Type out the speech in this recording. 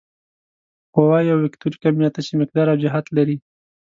قوه یو وکتوري کمیت دی چې مقدار او جهت لري.